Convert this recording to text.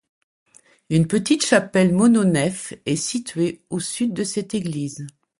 Une petite chapelle mononef est située au sud de cette église.